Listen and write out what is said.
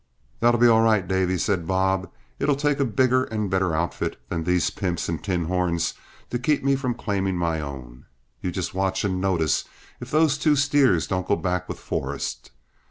"That'll be all right, Davy," replied Bob; "it'll take a bigger and better outfit than these pimps and tin horns to keep me from claiming my own. You just watch and notice if those two steers don't go back with Forrest.